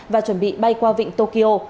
và chuẩn bị bay qua vịnh tokyo